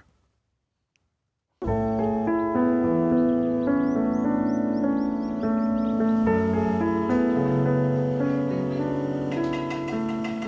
อันดีนี้จากรายงานค่ะ